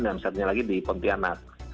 dan satunya lagi di pempianat